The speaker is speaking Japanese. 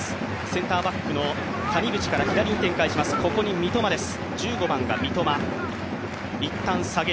センターバックの谷口から左に展開します、これが三笘です。